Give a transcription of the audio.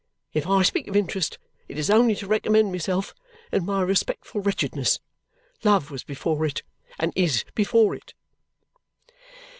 If I speak of interest, it is only to recommend myself and my respectful wretchedness. Love was before it, and is before it."